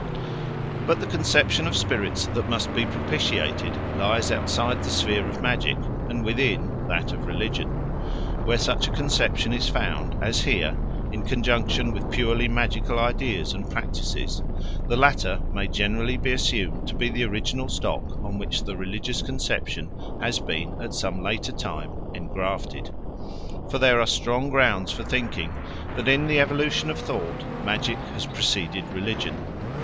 But the conception of spirits that must be propitiated lies outside the sphere of magic, and within that of religion. Where such a conception is found, as here, in conjunction with purely magical ideas and practices, the latter may generally be assumed to be the original stock on which the religious conception has been at some later time engrafted. For there are strong grounds for thinking that, in the evolution of thought, magic has preceded religion.